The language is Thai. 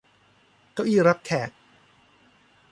เก้าอี้รับแขก